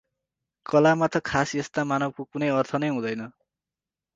कलामा त खास यस्ता मानकको कुनै अर्थ नै हुँदैन ।